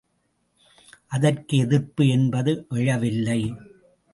அதற்கு எதிர்ப்பு என்பது எழவில்லை.